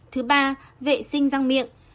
thứ ba vệ sinh răng miệng